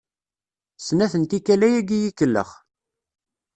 Snat n tikkal ayagi i yi-ikellex.